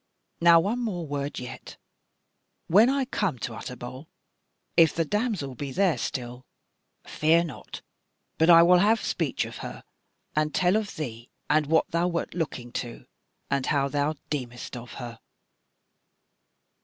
Now one more word yet; when I come to Utterbol, if thy damsel be there still, fear not but I will have speech of her, and tell of thee, and what thou wert looking to, and how thou deemedst of her."